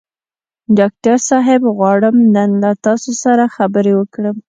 ډاکټر صاحب غواړم نن له تاسو سره خبرې وکړم.